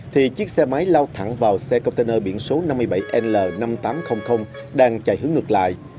thì chiếc xe máy lao thẳng vào xe container biển số năm mươi bảy l năm nghìn tám trăm linh đang chạy hướng ngược lại